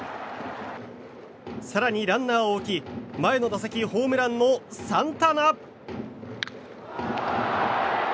更に、ランナーを置き前の打席ホームランのサンタナ。